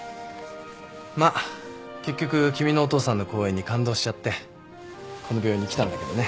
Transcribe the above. まあ結局君のお父さんの講演に感動しちゃってこの病院に来たんだけどね。